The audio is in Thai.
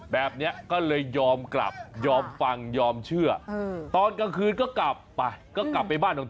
แบบนี้ก็เลยยอมกลับยอมฟังยอมเชื่อตอนกลางคืนก็กลับไปก็กลับไปบ้านของเธอ